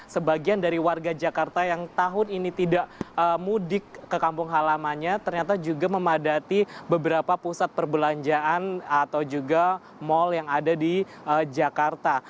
sebagian dari warga jakarta yang tahun ini tidak mudik ke kampung halamannya ternyata juga memadati beberapa pusat perbelanjaan atau juga mal yang ada di jakarta